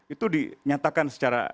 itu dinyatakan secara